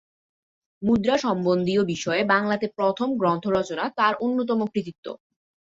মুদ্রাসম্বন্ধীয় বিষয়ে বাংলাতে প্রথম গ্রন্থ রচনা তার অন্যতম কৃতিত্ব।